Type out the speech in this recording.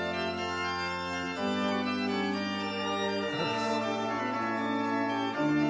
ここです。